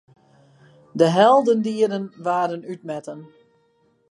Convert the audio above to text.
De heldendieden waarden útmetten.